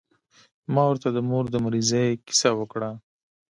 ما ورته د مور د مريضۍ کيسه وکړه.